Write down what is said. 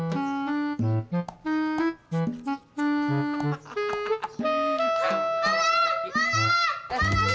malah malah malah